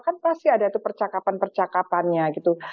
kan pasti ada tuh percakapan percakapannya gitu